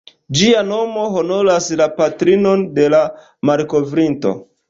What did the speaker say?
Ĝia nomo honoras la patrinon de la malkovrinto.